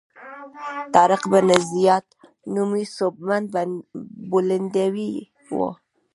طارق بن زیاد نومي سوبمن بولندوی و.